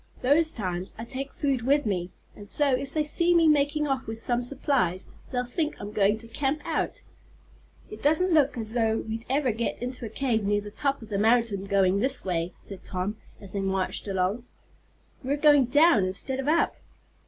Those times I take food with me, and so if they see me making off with some supplies they'll think I'm going to camp out." "It doesn't look as though we'd ever get into a cave near the top of the mountain, going this way," said Tom, as they marched along. "We're going down, instead of up."